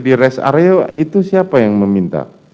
di rest area itu siapa yang meminta